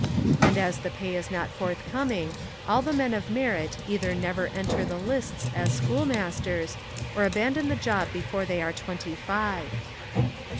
And as the pay is not forthcoming all the men of merit either never enter the lists as schoolmas ters, or abandon the job before they are twenty five.